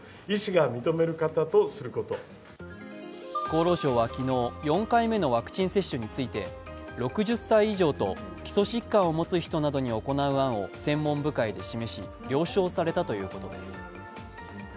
厚労省は昨日、４回目のワクチン接種について６０歳以上と、基礎疾患を持つ人などに行う案を専門部会で示し、了承されたということです。